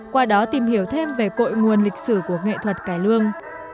qua đó tìm hiểu thêm về cội nguồn lịch sử của nghệ thuật cải lương